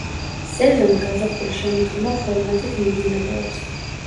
სეზონი გაზაფხული–შემოდგომა ფორმატით მიმდინარეობს.